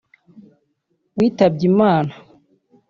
witabye Imana